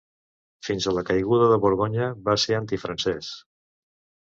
Fins a la caiguda de Borgonya, va ser antifrancès.